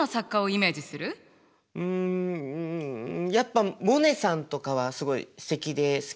うんやっぱモネさんとかはすごいすてきで好きですね。